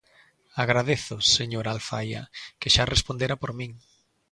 Agradezo, señora Alfaia, que xa respondera por min.